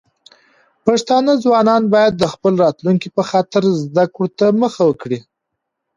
پښتانه ځوانان بايد د خپل راتلونکي په خاطر زده کړو ته مخه کړي.